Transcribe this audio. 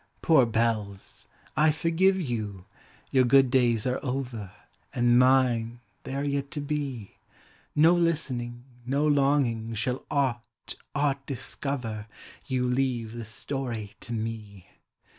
Poor hells! I forgive you; your good days are over, And mine, they are yet to be; No listening, no longing, shall aught, aught dis cover : You leave the story to me.